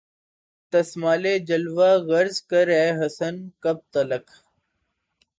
تمثالِ جلوہ عرض کر اے حسن! کب تلک